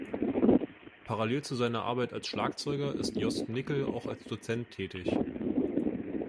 Parallel zu seiner Arbeit als Schlagzeuger ist Jost Nickel auch als Dozent tätig.